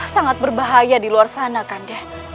sangat berbahaya di luar sana kan